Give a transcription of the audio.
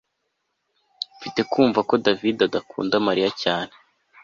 mfite kumva ko davide adakunda mariya cyane